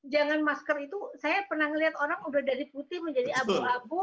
jangan masker itu saya pernah melihat orang udah dari putih menjadi abu abu